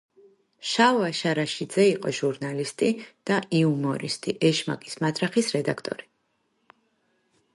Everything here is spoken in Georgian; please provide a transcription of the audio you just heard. შალვა შარაშიძე იყო ჟურნალისტი და იუმორისტი, „ეშმაკის მათრახის“ რედაქტორი.